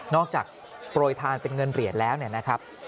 จากโปรยทานเป็นเงินเหรียญแล้วเนี่ยนะครับ